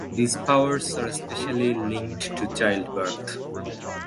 These powers are especially linked to childbirth.